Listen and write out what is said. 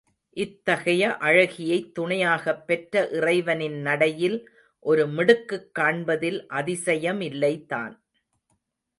இத்தகைய அழகியைத் துணையாகப் பெற்ற இறைவனின் நடையில் ஒரு மிடுக்குக் காண்பதில் அதிசயமில்லைதான்.